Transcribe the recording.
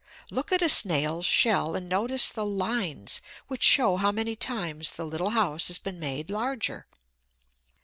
Look at a snail's shell, and notice the lines which show how many times the little house has been made larger.